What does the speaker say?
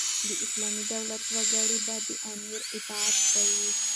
د اسلامي دولت وګړي به د امیر اطاعت کوي.